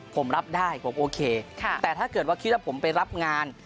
ผมรับได้ผมโอเคแต่ถ้าเกิดว่าคิดว่าผมไปรับงาน